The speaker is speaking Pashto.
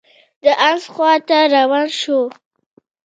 د حمص خوا ته روان شو.